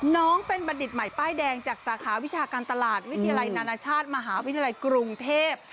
น้องเป็นบัณฑิตใหม่ป้ายแดงจากสาขาวิชาการตลาดวิทยาลัยนานาชาติมหาวิทยาลัยกรุงเทพ